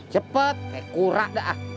cepet kayak kurak dah